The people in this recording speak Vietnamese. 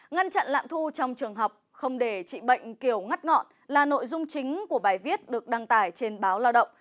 ngăn chặn lạm thu trong trường học không để trị bệnh kiểu ngắt ngọn là nội dung chính của bài viết được đăng tải trên báo lao động